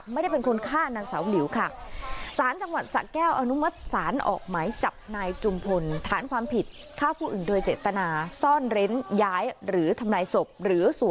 ไม่ได้เป็นคนฆ่านางเสาหลิวค่ะภจังหวัดสะแก้ว